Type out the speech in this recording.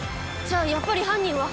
じゃあやっぱり犯人は。